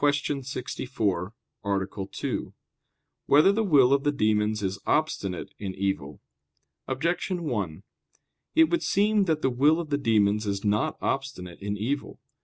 64, Art. 2] Whether the Will of the Demons Is Obstinate in Evil? Objection 1: It would seem that the will of the demons is not obstinate in evil.